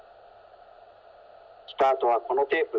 スタートはこのテープ。